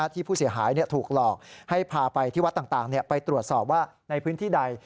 ที่ผู้เสียหายถูกหลอกให้พาไปที่วัดต่างไปตรวจสอบว่าในพื้นที่ใด